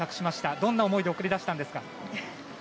どんな思いで送り出したんですか？